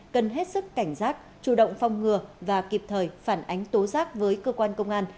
cần hết sức cảnh giác chủ động phong ngừa và kịp thời phản ánh tố giác với cơ quan công an